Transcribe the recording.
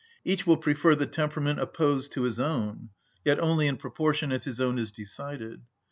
Each will prefer the temperament opposed to his own; yet only in proportion as his one is decided.